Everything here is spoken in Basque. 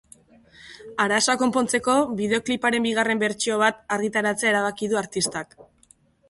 Arazoa konpontzeko, bideokliparen bigarren bertsio bat argitaratzea erabaki du artistak.